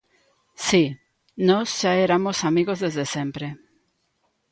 Si, nós xa eramos amigos desde sempre.